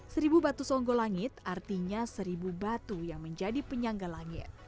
seribu batu songgolangit artinya seribu batu yang menjadi penyangga langit